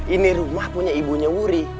ini rumah punya ibunya wuri